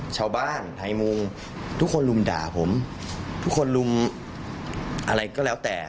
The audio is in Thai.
ชาวบ้านไทยมุงทุกคนลุมด่าผมทุกคนลุมอะไรก็แล้วแต่